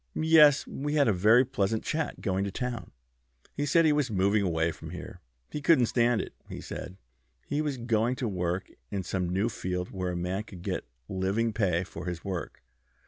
"Yes. We had a very pleasant chat going to town. He said he was moving away from here. He couldn't stand it, he said. He was going to work in some new field where a man could get living pay for his work.